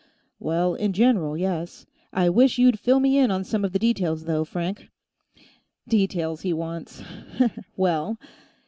"Well, in general, yes. I wish you'd fill me in on some of the details, though, Frank." "Details he wants. Well."